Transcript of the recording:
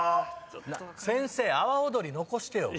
先生「阿波踊り」残してよ。